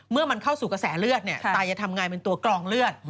เมื่อมันเข้าสู่กระแสเลือดเนี่ยตาจะทำงานเป็นตัวกรองเลือด